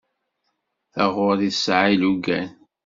Taɣuri tesɛa ilugan.